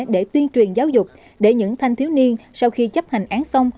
để tuyên truyền giáo dục để những thanh thiếu niên sau khi chấp hành án xong